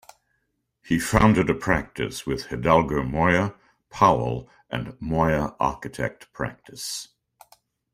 He founded a practice with Hidalgo Moya, Powell and Moya Architect Practice.